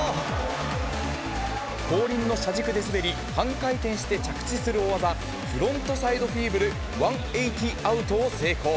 後輪の車軸で滑り、半回転して着地する大技、フロントサイドフィーブル１８０アウトを成功。